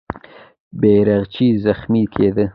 بیرغچی زخمي کېده.